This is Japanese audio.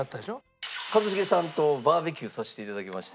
一茂さんとバーベキューさせて頂きまして。